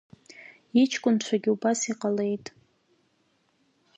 Иҷкәынцәагьы убас иҟалеит…